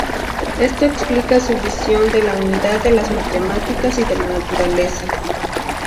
Esto explica su visión de la unidad de las matemáticas y de la naturaleza.